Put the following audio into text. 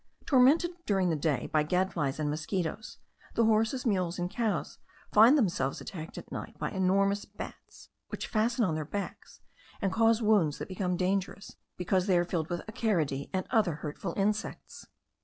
Tormented during the day by gadflies and mosquitos, the horses, mules, and cows find themselves attacked at night by enormous bats, which fasten on their backs, and cause wounds that become dangerous, because they are filled with acaridae and other hurtful insects.